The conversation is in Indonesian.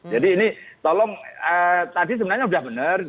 jadi ini tolong tadi sebenarnya sudah benar